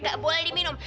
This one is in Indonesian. gak boleh diminum